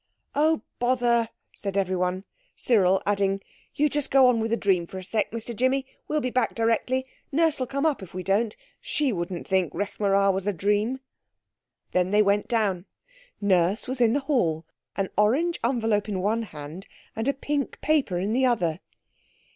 "Oh, bother!" said everyone. Cyril adding, "You just go on with the dream for a sec, Mr Jimmy, we'll be back directly. Nurse'll come up if we don't. She wouldn't think Rekh marā was a dream." Then they went down. Nurse was in the hall, an orange envelope in one hand, and a pink paper in the other.